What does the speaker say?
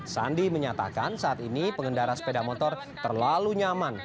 sandi menyatakan saat ini pengendara sepeda motor terlalu nyaman